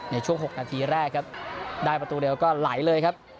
ในช่วง๖นาทีแรกครับได้ประตูเร็วก็ไหลเลยครับ